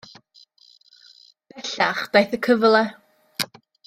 Bellach, daeth y cyfle.